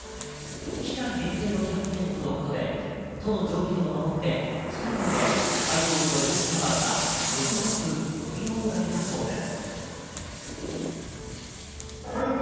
期間限定のキャンペーンとのことで、都の条件を守って２人まで、ハイボールとレモンサワーが６０分飲み放題だそうです。